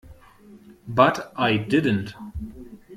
But I didn't.